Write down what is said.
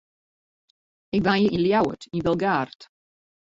Ik wenje yn Ljouwert, yn Bilgaard.